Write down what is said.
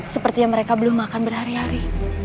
seperti yang mereka belum makan berhari hari